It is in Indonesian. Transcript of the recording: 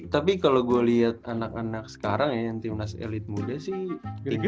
tapi kalau gue lihat anak anak sekarang ya yang timnas elit muda sih tiga puluh